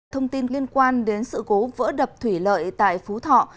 thông tin liên quan đến sự cố vỡ đập thủy lợi tại phú thọ